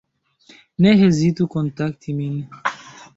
Ne hezitu kontakti min.